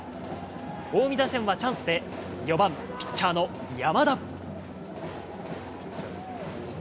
近江打線はチャンスで、４番、ピッチャーの山田。